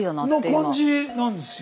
感じなんですよ。